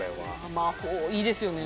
魔法いいですよね。